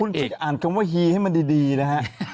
คุณเอกอ่านคำว่าฮีให้มันดีนะฮะ